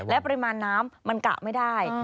ปริมาณน้ำมันกะไม่ได้